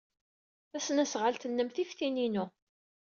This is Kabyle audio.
Tasnasɣalt-nnem tif tin-inu.